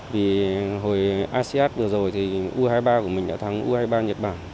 vì hồi asean vừa rồi thì u hai mươi ba của mình đã thắng u hai mươi ba nhật bản